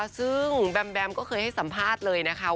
ซึ่งแบมแบมก็เคยให้สัมภาษณ์เลยนะคะ